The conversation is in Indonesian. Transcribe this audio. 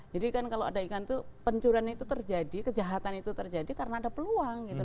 jadi kan kalau ada ikan itu pencuran itu terjadi kejahatan itu terjadi karena ada peluang gitu